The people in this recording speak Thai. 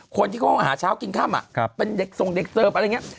คนที่เขาหาเช้ากินข้ำอ่ะเป็นส่งเด็กเติบอะไรอย่างนี้